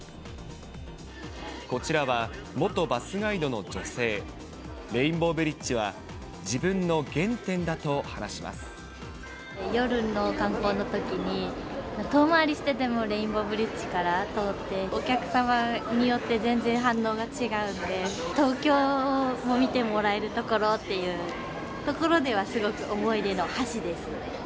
こちらは元バスガイドの女性、レインボーブリッジは、夜の観光のときに、遠回りしてでもレインボーブリッジから通って、お客様によって全然反応が違うので、東京の見てもらえる所っていうところではすごく思い出の橋です。